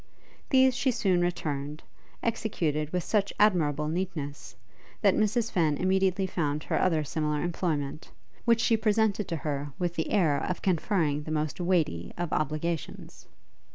These she soon returned, executed with such admirable neatness, that Mrs Fenn immediately found her other similar employment; which she presented to her with the air of conferring the most weighty of obligations.